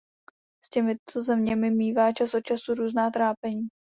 S těmito zeměmi mívá čas od času různá trápení.